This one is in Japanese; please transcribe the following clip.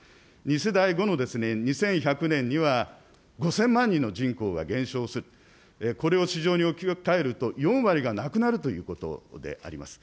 ２世代後の２１００年には５０００万人の人口が減少する、これを市場に置き換えると４割が亡くなるということであります。